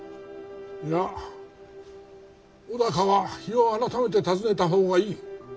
いや尾高は日を改めて訪ねた方がいい。